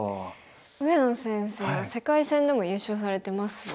上野先生は世界戦でも優勝されてますもんね。